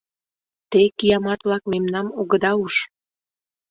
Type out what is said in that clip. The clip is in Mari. Те, киямат-влак, мемнам огыда уж!..